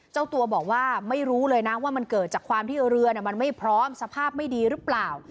เจ้าตัวบอกว่าไม่รู้เลยนะว่ามันเกิดจากความที่เรือมันไม่พร้อมสภาพไม่ดีหรือเปล่า